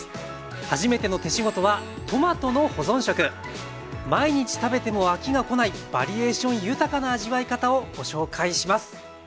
「はじめての手仕事」は毎日食べても飽きがこないバリエーション豊かな味わい方をご紹介します。